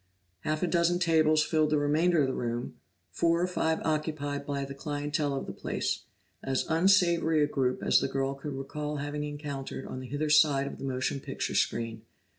Half a dozen tables filled the remainder of the room; four or five occupied by the clientele of the place, as unsavory a group as the girl could recall having encountered on the hither side of the motion picture screen.